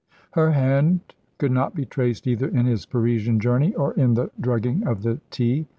Her hand could not be traced either in his Parisian journey or in the drugging of the tea.